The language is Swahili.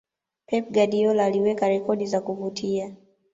pep guardiola aliweka rekodi za kuvutia